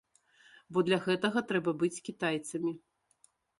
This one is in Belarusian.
Бо для гэтага трэба быць кітайцамі.